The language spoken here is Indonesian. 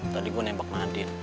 tadi gue nempak nadine